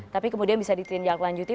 tapi kemudian bisa ditinjak lanjuti